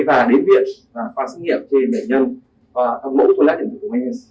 và đến viện khoa sinh nghiệm về bệnh nhân khoa thông mẫu thuốc lá điểm của bệnh nhân